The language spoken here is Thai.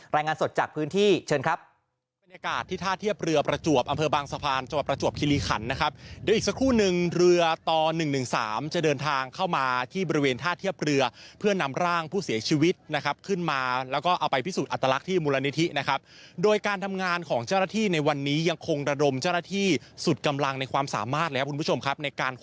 รายงานสดจากพื้นที่เชิญครับ